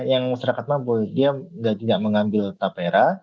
yang masyarakat mampu dia tidak mengambil tapera